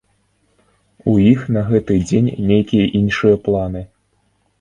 У іх на гэты дзень нейкія іншыя планы?